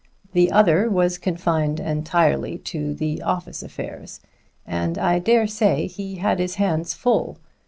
The other was confined entirely to the office affairs, and I dare say he had his hands full.